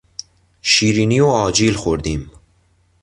شیرینی و آجیل خوردیم.